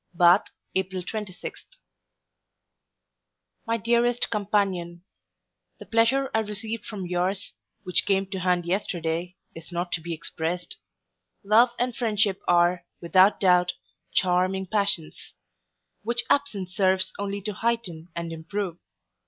BATH, April 26. MY DEAREST COMPANION, The pleasure I received from yours, which came to hand yesterday, is not to be expressed. Love and friendship are, without doubt, charming passions; which absence serves only to heighten and improve.